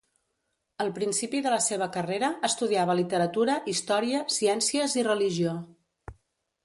Al principi de la seva carrera estudiava literatura, història, ciències i religió.